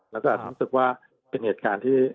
แล้วก็อาจรู้สึกว่าเป็นเหตุการณ์ที่